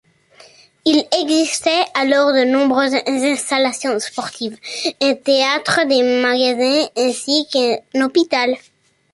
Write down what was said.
Il existait alors de nombreuses installations sportives, un théâtre, des magasins ainsi qu'un hôpital.